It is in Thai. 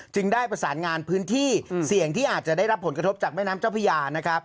ได้ประสานงานพื้นที่เสี่ยงที่อาจจะได้รับผลกระทบจากแม่น้ำเจ้าพญานะครับ